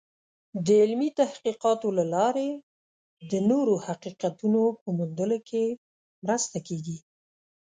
د علمي تحقیقاتو له لارې د نوو حقیقتونو په موندلو کې مرسته کېږي.